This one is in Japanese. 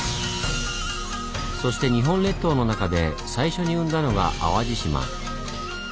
そして日本列島の中で最初に生んだのが淡路島。